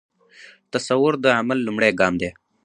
تصور د عمل لومړی ګام دی.